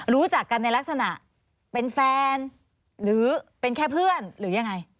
รู้จักกันในลักษณะเป็นแฟนหรือเป็นแค่เพื่อนหรือยังไง